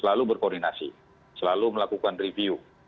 selalu berkoordinasi selalu melakukan review